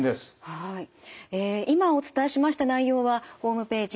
ええ今お伝えしました内容はホームページ